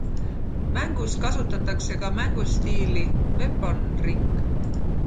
Mängus kasutatakse ka mängustiili „weponring“